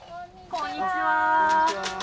こんにちは。